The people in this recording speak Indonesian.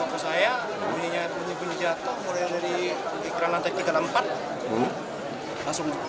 bunyinya bunyi bunyi jatuh mulai dari ekran lantai tiga dan empat